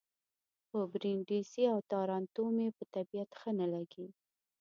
خو برېنډېسي او تارانتو مې په طبیعت ښه نه لګي.